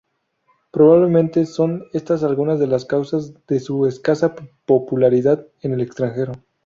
Probablemente son estas algunas de las causas de su escasa popularidad en el extranjero.